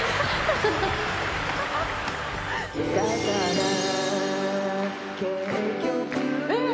「だから結局」えっ！